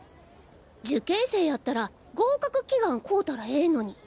受験生やったら合格祈願買うたらええのに。